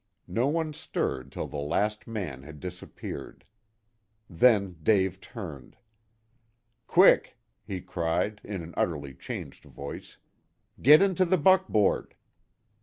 No one stirred till the last man had disappeared. Then Dave turned. "Quick!" he cried, in an utterly changed voice, "get into the buckboard!"